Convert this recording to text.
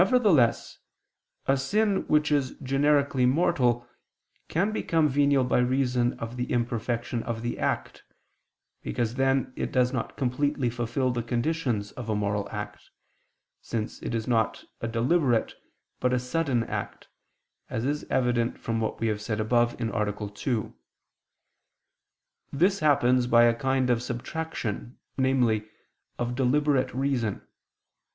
Nevertheless a sin which is generically mortal, can become venial by reason of the imperfection of the act, because then it does not completely fulfil the conditions of a moral act, since it is not a deliberate, but a sudden act, as is evident from what we have said above (A. 2). This happens by a kind of subtraction, namely, of deliberate reason.